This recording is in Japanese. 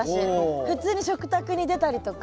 普通に食卓に出たりとか。